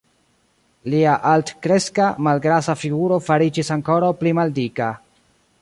Lia altkreska, malgrasa figuro fariĝis ankoraŭ pli maldika.